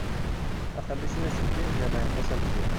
Axxam-is ur as-yezmir, lǧameɛ yeṭṭef-as amezzir!